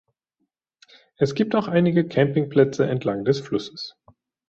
Es gibt auch einige Campingplätze entlang des Flusses.